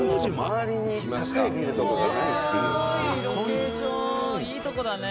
いいとこだね。